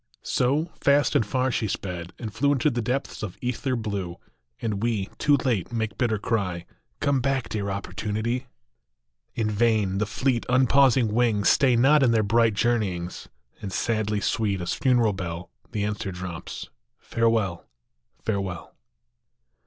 So, fast and far she sped and flew Into the depths of ether blue ; And we, too late, make bitter cry, " Come back, dear Opportunity !" 154 OPPORTUNITY. In vain : the fleet, unpausing wings Stay not in their bright journeyings ; And sadly sweet as funeral bell The answer drops, " Farewell ! Farewell"!